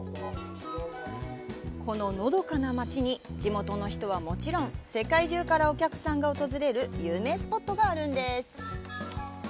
こののどかな街に地元の人はもちろん世界中からお客さんが訪れる有名スポットがあるんです。